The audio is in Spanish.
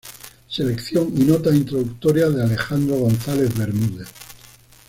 Selección y nota introductoria de Alejandro González Bermúdez.